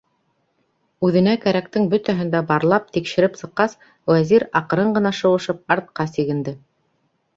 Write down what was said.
Үҙенә кәрәктең бөтәһен дә барлап, тикшереп сыҡҡас, Вәзир, аҡрын ғына шыуышып, артҡа сигенде.